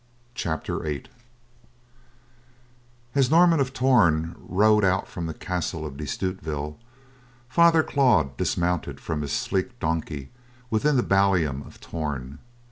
CHAPTER VIII As Norman of Torn rode out from the castle of De Stutevill, Father Claude dismounted from his sleek donkey within the ballium of Torn.